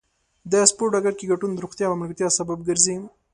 د سپورت ډګر کې ګډون د روغتیا او ملګرتیا سبب ګرځي.